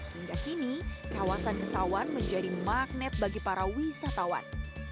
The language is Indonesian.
hingga kini kawasan kesawan menjadi magnet bagi para wisatawan